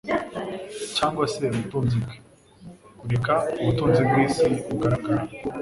cyangwa se ubutunzi bwe. Kureka ubutunzi bw'isi bugaragara